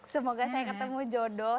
semoga saya ketemu jodoh